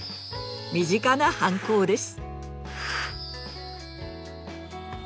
身近な反抗です。